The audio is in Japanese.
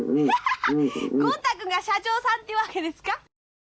ゴン太君が社長さんってわけですか？